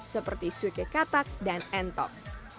seperti suike katak dan entok